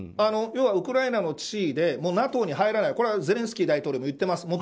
要はウクライナの地位でＮＡＴＯに入らない、これはゼレンスキー大統領も言っています。